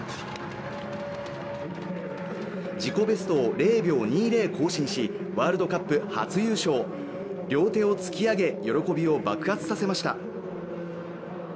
自己ベストを０秒２０更新しワールドカップ初優勝両手を突き上げ喜びを爆発させました